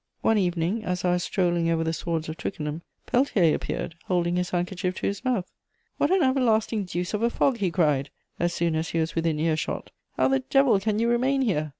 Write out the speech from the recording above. One evening, as I was strolling over the swards of Twickenham, Peltier appeared, holding his handkerchief to his mouth: "What an everlasting deuce of a fog!" he cried, so soon as he was within earshot. "How the devil can you remain here?